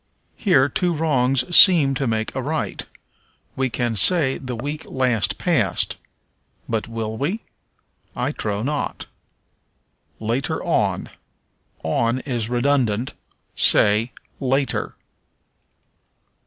Here two wrongs seem to make a right: we can say the week last past. But will we? I trow not. Later on. On is redundant; say, later.